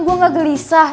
saya tidak gelisah